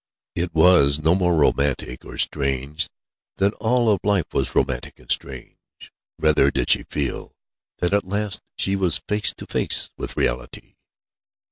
It was no more romantic or strange than all of life was romantic and strange. Rather did she feel that at last she was face to face with reality.